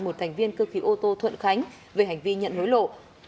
một thành viên cơ khí ô tô thuận khánh về hành vi nhận hối lộ